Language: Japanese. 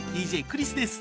ＤＪクリスです。